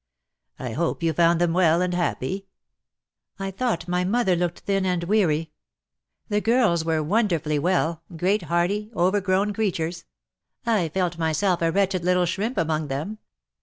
" I hope you found them well and happy.'' " I thought my mother looked thin and weary» VOL. I N 178 IN SOCIETY. The girls were wonderfully well — great liearty_, over grown creatures ! I felt myself a wretched little shrimp among them.